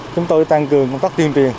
chúng tôi tăng cường công tác tuyên truyền